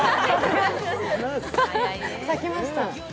咲きました。